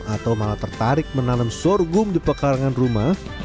atau malah tertarik menanam sorghum di pekarangan rumah